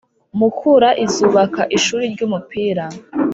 Mukura izubaka Ishuri ry’Umupira